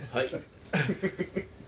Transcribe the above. ・はい。